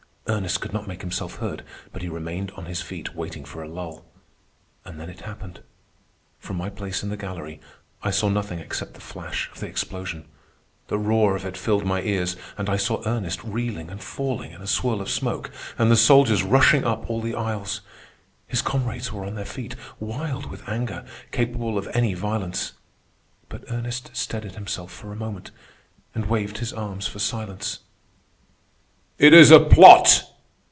Ernest could not make himself heard, but he remained on his feet waiting for a lull. And then it happened. From my place in the gallery I saw nothing except the flash of the explosion. The roar of it filled my ears and I saw Ernest reeling and falling in a swirl of smoke, and the soldiers rushing up all the aisles. His comrades were on their feet, wild with anger, capable of any violence. But Ernest steadied himself for a moment, and waved his arms for silence. "It is a plot!"